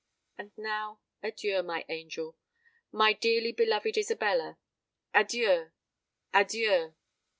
And now adieu, my angel—my dearly beloved Isabella: adieu—adieu!"